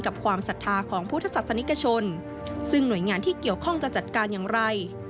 ความศรัทธาของพุทธศาสนิกชนซึ่งหน่วยงานที่เกี่ยวข้องจะจัดการอย่างไร